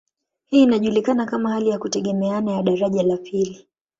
Hii inajulikana kama hali ya kutegemeana ya daraja la pili.